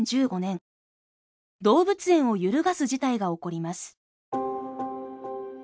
動物園を揺るがす事態が起こります。